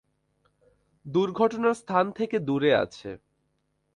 দুর্ঘটনার স্থান থেকে দূরে আছে।